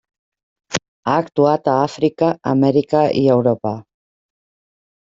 Ha actuat a Àfrica, Amèrica i Europa.